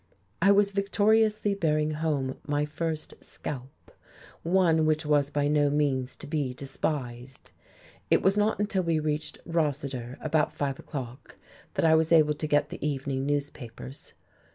I was victoriously bearing home my first scalp, one which was by no means to be despised.... It was not until we reached Rossiter, about five o'clock, that I was able to get the evening newspapers.